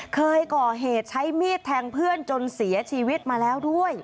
เคยก่อเหตุใช้มีดแทงเพื่อนจนเสียชีวิตมาแล้วด้วย